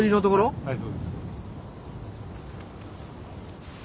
はいそうです。